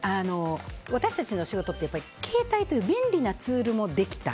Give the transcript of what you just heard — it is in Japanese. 私たちの仕事って携帯という便利なツールもできた。